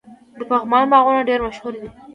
د پغمان باغونه ډیر مشهور دي.